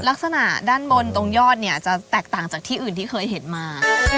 ลักษณะด้านบนตรงยอดเนี่ยจะแตกต่างจากที่อื่นที่เคยเห็นมา